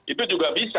itu juga bisa